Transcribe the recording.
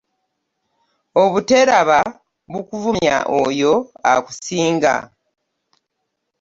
Obuteraba bukuvumya oyo akusinga .